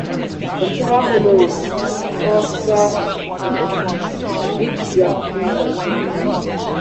Doctoral honoris causa degrees need to be approved by the Congregation.